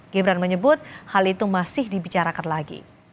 gibran menyebut hal itu masih dibicarakan lagi